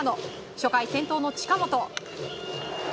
初回、先頭の近本。